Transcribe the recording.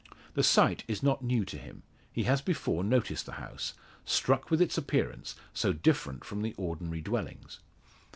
The sight is not new to him; he has before noticed the house struck with its appearance, so different from the ordinary dwellings.